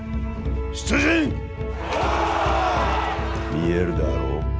見えるであろう？